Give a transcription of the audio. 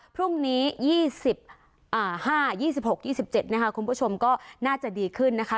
พรุ่งนี้๒๕๒๖๒๗นะคะคุณผู้ชมก็น่าจะดีขึ้นนะคะ